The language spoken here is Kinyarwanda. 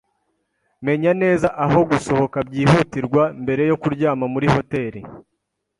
Menya neza aho gusohoka byihutirwa mbere yo kuryama muri hoteri